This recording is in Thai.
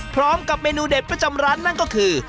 พร้อมกับเมนูเด็ดประจำร้านนั่นก็คือ